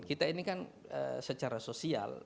kita ini kan secara sosial